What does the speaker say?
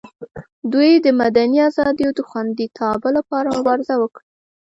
دوی د مدني ازادیو د خوندیتابه لپاره مبارزه وکړي.